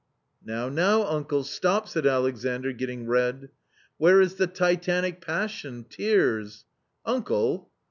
" Now, now, uncle, stop !" said Alexandr, getting red. "Where is the titanic passion, tears?" "Uncle!"